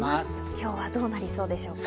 今日はどうなりそうでしょうか？